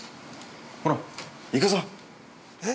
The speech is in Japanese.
ほら、行くぞ！